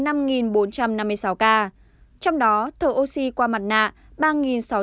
trong đó thở oxy qua mặt nạ